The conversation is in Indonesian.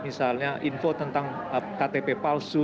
misalnya info tentang ktp palsu